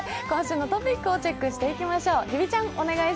今週のトピックをチェックしていきましょう。